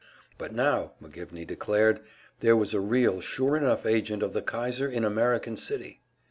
But now, McGivney declared, there was a real, sure enough agent of the Kaiser in American City!